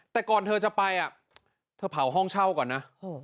แต่ก่อนเธอจะไปเธอเผาห้องเช่าก่อนนะ